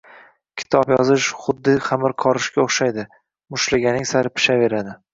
“Kitob yozish xuddi xamir qorishga o‘xshaydi – mushtlaganing sari pishaveradi”.